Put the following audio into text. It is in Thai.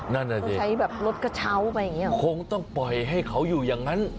ต้องใช้รถกระเช้าไปอย่างนี้คงต้องปล่อยให้เขาอยู่อย่างนั้น